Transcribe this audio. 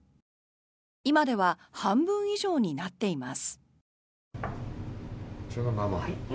今では半分以上になっています。